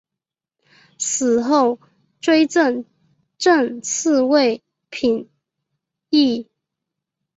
死后追赠正四位品秩。